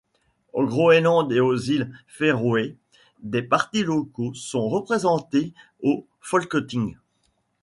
Au Groenland et aux îles Féroé, des partis locaux sont représentés au Folketing.